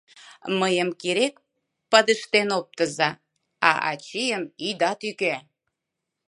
— Мыйым керек падыштен оптыза, а ачийым ида тӱкӧ!..